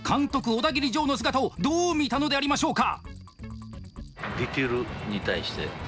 オダギリジョーの姿をどう見たのでありましょうか？